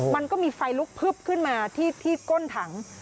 มันก็มีไฟลุกพึบขึ้นมาที่ก้นถัง